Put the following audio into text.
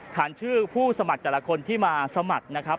ฐานชื่อผู้สมัครแต่ละคนที่มาสมัครนะครับ